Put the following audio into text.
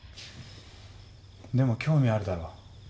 でも興味あるだろ。